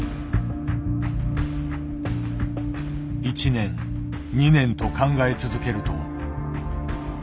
１年２年と考え続けると。